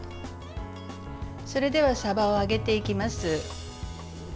それでは、さばを揚げていきます。